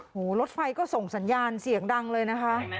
รถไฟก็ส่งสัญญาณเสียงดังเลยนะคะ